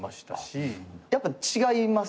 やっぱ違います？